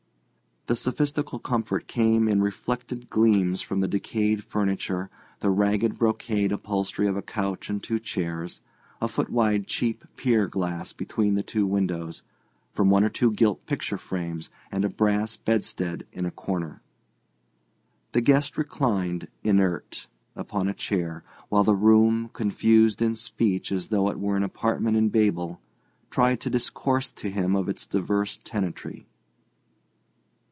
The sophistical comfort came in reflected gleams from the decayed furniture, the ragged brocade upholstery of a couch and two chairs, a foot wide cheap pier glass between the two windows, from one or two gilt picture frames and a brass bedstead in a corner. The guest reclined, inert, upon a chair, while the room, confused in speech as though it were an apartment in Babel, tried to discourse to him of its divers tenantry.